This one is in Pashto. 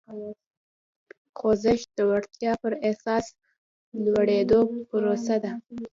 خوځښت د وړتیا پر اساس د لوړېدو پروسه ده.